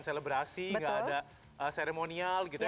tidak ada korelasi tidak ada seremonial gitu ya